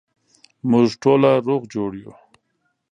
موږ ټوله روغ جوړ یو